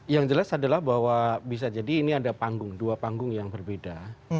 yang jelas adalah bahwa bisa jadi ini ada panggung dua panggung yang berbeda